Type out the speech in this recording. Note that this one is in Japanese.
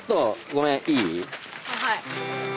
「はい」